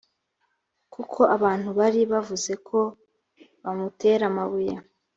kuko abantu bari bavuze ko bamutera amabuye